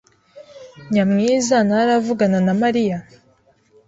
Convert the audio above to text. Nyamwiza ntaravugana na Mariya?